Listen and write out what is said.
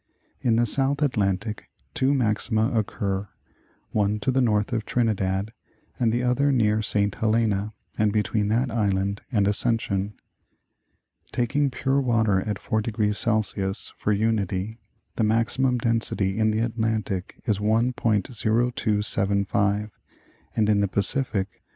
In the South Atlantic two maxima occur, one to the north of Trinidad, and the other near St. Helena and between that island and Ascension. Taking pure water at 4° C. for unity, the maximum density in the Atlantic is 1.0275 and in the Pacific, 1.